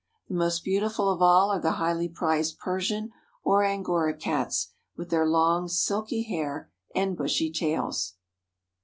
The most beautiful of all are the highly prized Persian or Angora Cats, with their long, silky hair and bushy tails.